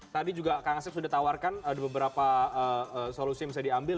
tadi juga kang asep sudah tawarkan ada beberapa solusi yang bisa diambil